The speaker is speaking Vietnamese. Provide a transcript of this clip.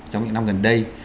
trong những năm gần đây